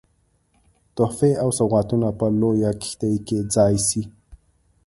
تحفې او سوغاتونه په لویه کښتۍ کې ځای سي.